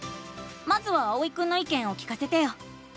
まずはあおいくんのいけんを聞かせてよ！